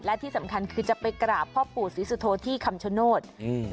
และที่สำคัญคือจะไปกราบพ่อปู่ศรีสุโธที่คำชโนธ